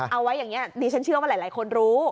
เอาไว้อย่างนี้ดิฉันเชื่อว่าหลายคนรู้